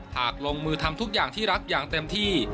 หากลงมือทำทุกอย่างที่รักอย่างเต็มที่